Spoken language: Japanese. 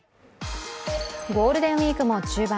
ゴールデンウイークも中盤。